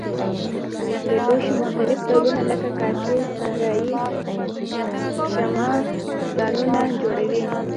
د لوښو مختلف ډولونه لکه کاسې صراحي شمعه دانونه جوړوي.